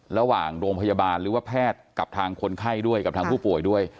ระหว่างโรงพยาบาลหรือว่าแพทย์กับทางคนไข้ด้วยกับทางผู้ป่วยด้วย